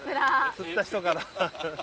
釣った人から。